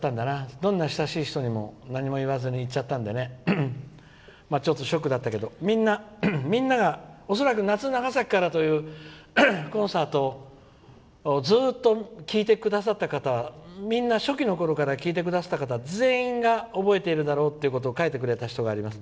どんな親しい人にも何も言わずにいっちゃったのでちょっとショックだったけどみんながおそらく夏・長崎からというコンサートをずっと聴いてくださった方初期のころから聴いてくださった方は全員が覚えているだろうということを書いてくれた人がいます。